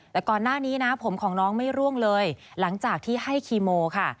แต่ก่อนหน้านี้นะผมของน้องไม่ร่วงเลยหลังจากที่ให้คีโมค่ะ